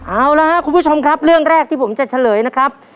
เอาละครับคุณผู้ชมครับเรื่องแรกที่ผมจะเฉลยนะครับ